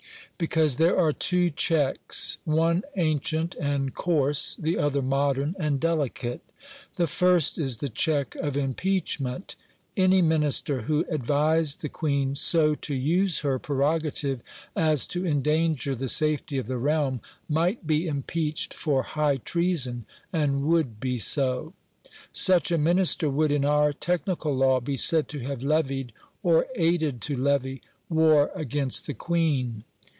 Because there are two checks one ancient and coarse, the other modern and delicate. The first is the check of impeachment. Any Minister who advised the Queen so to use her prerogative as to endanger the safety of the realm, might be impeached for high treason, and would be so. Such a Minister would, in our technical law, be said to have levied, or aided to levy, "war against the Queen".